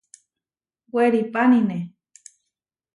Weripánine.